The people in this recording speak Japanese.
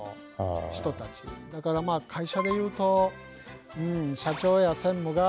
だから会社でいうと社長や専務が。